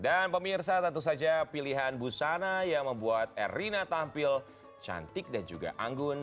dan pemirsa tentu saja pilihan busana yang membuat irina tampil cantik dan juga anggun